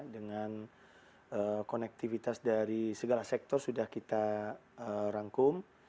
dengan konektivitas dari segala sektor sudah kita rangkum